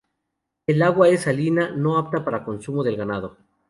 El agua es salina, no apta para consumo del ganado.